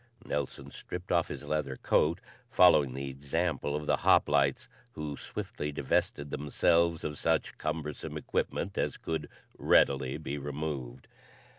Nelson stripped off his leather coat, following the example of the hoplites, who swiftly divested themselves of such cumbersome equipment as could readily be removed.